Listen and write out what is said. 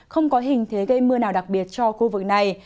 không có hình thế gây mưa nào đặc biệt cho khu vực này